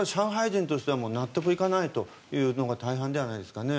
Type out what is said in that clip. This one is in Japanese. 人としては納得いかないというのが大半ではないですかね。